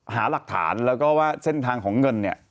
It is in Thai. หาหลักฐานแล้วก็ว่าเส้นทางของเงินเนี่ย